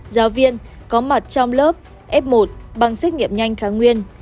giáo viên có mặt trong lớp f một bằng xét nghiệm nhanh kháng nguyên